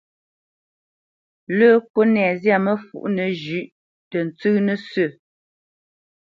Lə́ kúnɛ zyâ məfǔʼnə zhʉ̌ʼ tə ntsə́ nə̂ sə̂.